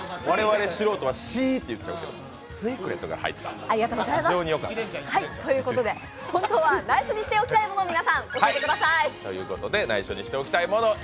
我々素人はスィから入っちゃうけどＳＥがよかった。ということで、本当は内緒にしておきたいもの、皆さん教えてください。